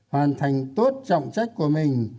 hoàn thành tốt trọng trách của mình